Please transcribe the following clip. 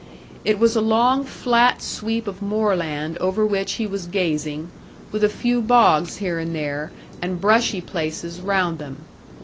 It was a long flat sweep of moorland over which he was gazing, with a few bogs here and there, and brushy places round them.